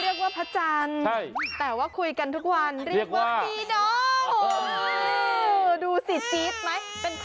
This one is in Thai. โอดาวติ๊กต็อก